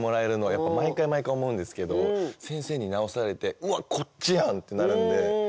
やっぱ毎回毎回思うんですけど先生に直されて「うわっこっちやん！」ってなるんで。